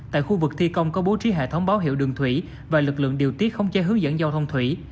tại khu vực thi công có bố trí hệ thống báo hiệu đường thủy và lực lượng điều tiết không chế hướng dẫn giao thông thủy